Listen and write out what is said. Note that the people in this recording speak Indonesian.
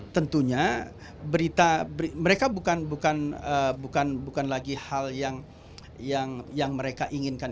tentunya berita mereka bukan lagi hal yang mereka inginkan